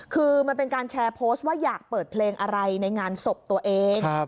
คือมันเป็นการแชร์โพสต์ว่าอยากเปิดเพลงอะไรในงานศพตัวเอง